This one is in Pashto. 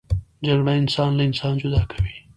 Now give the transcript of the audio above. جګړه انسان له انسان جدا کوي